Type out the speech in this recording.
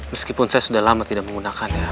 meskipun saya sudah lama tidak menggunakannya